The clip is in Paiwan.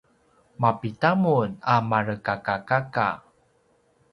mapida mun a marekakakaka?